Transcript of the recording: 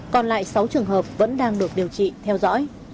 còn lại sáu trường hợp vẫn đang được điều trị theo dõi